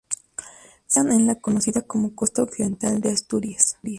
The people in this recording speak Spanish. Se enmarcan en la conocida como Costa Occidental de Asturias.